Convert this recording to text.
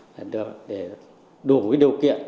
đủ điều kiện để tiếp dựng